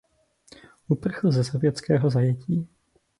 Uprchl ze sovětského zajetí.